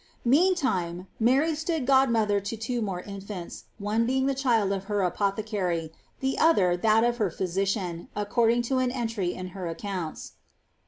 Meantime Mary stood godmother to two more infants, one being the child of her apothecary, the other that of her physician, according to an entry in her accounts.